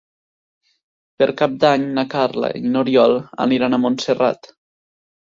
Per Cap d'Any na Carla i n'Oriol aniran a Montserrat.